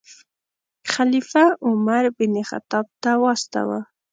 خلیفه عمر بن خطاب ته واستاوه.